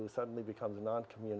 seorang orang memiliki anak yang